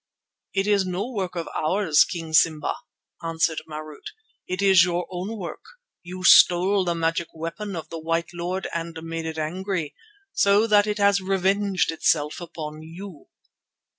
"It is no work of ours, King Simba," answered Marût. "It is your own work. You stole the magic weapon of the white lord and made it angry, so that it has revenged itself upon you."